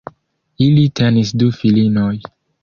Ili tenis du filinoj.